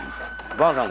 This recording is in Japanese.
ばんさん